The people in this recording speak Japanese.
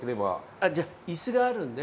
あじゃあ椅子があるんで。